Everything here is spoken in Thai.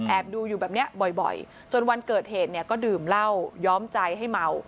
ดูอยู่แบบนี้บ่อยจนวันเกิดเหตุเนี่ยก็ดื่มเหล้าย้อมใจให้เมา